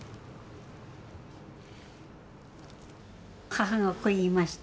母がこう言いました。